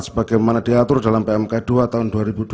sebagaimana diatur dalam pmk dua tahun dua ribu dua puluh